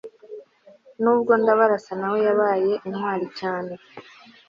n'ubwo ndabarasa na we yabaye intwari cyane